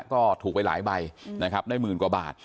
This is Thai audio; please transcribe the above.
ก็ถูกไปหลายใบนะครับได้หมื่นกว่าบาท